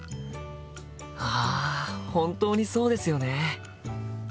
あ本当にそうですよね！